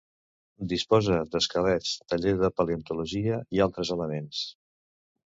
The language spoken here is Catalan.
Disposa d'esquelets, taller de paleontologia i altres elements.